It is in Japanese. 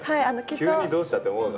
「急にどうした？」って思うから。